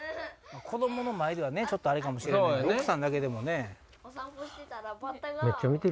子供の前ではちょっとあれかもしれんけど奥さんだけでもね。